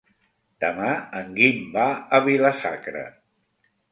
Demà en Guim va a Vila-sacra.